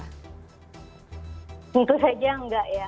itu saja enggak ya